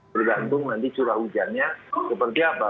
tergantung nanti curah hujannya seperti apa